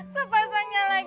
sepasangnya lagi buat tati bang